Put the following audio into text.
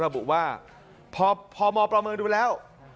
ระบุว่าพมประเมินดูแล้ว